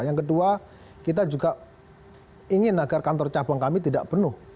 yang kedua kita juga ingin agar kantor cabang kami tidak penuh